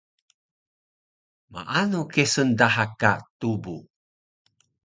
Maanu kesun daha ka tubu?